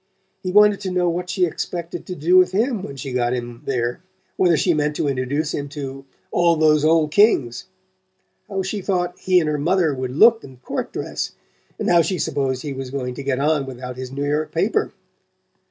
He wanted to know what she expected to do with him when she got him there; whether she meant to introduce him to "all those old Kings," how she thought he and her mother would look in court dress, and how she supposed he was going to get on without his New York paper.